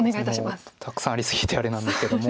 そうですねもうたくさんあり過ぎてあれなんですけども。